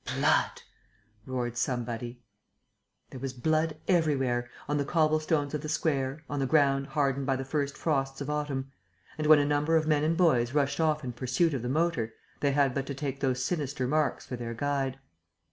"Blood!" roared somebody. There was blood everywhere, on the cobblestones of the square, on the ground hardened by the first frosts of autumn; and, when a number of men and boys rushed off in pursuit of the motor, they had but to take those sinister marks for their guide.